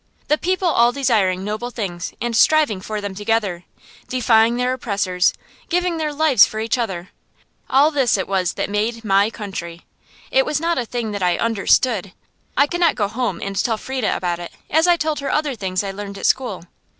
The people all desiring noble things, and striving for them together, defying their oppressors, giving their lives for each other all this it was that made my country. It was not a thing that I understood; I could not go home and tell Frieda about it, as I told her other things I learned at school.